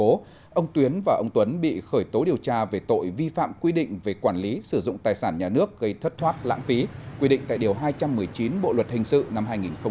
ông tuyến và ông tuấn bị khởi tố điều tra về tội vi phạm quy định về quản lý sử dụng tài sản nhà nước gây thất thoát lãng phí quy định tại điều hai trăm một mươi chín bộ luật hình sự năm hai nghìn một mươi năm